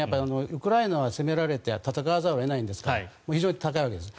ウクライナは攻められて戦わざるを得ないんですが士気が高いわけです。